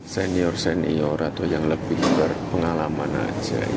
senior senior atau yang lebih berpengalaman aja